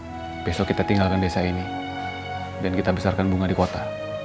besok kita tinggalkan desa ini dan kita besarkan bunga di kota